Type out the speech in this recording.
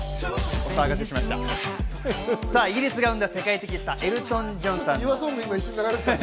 お待たせしました、イギリスが生んだ世界的スター、エルトン・ジョンさん。